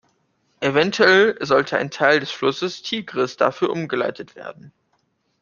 Eventuell sollte ein Teil des Flusses Tigris dafür umgeleitet werden.